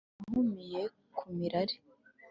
ntaho nahumiye ku mirari